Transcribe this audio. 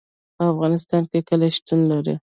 په افغانستان کې کلي شتون لري.